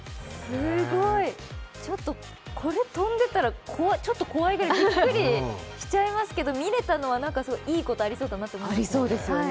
すごい、これ飛んでたらちょっと怖い、びっくりしちゃいますけど見れたのはいいことありそうだなと。